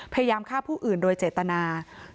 พยายามฆ่าผู้อื่นโดยเจตนา